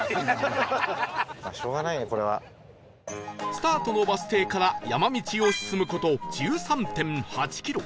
スタートのバス停から山道を進む事 １３．８ キロ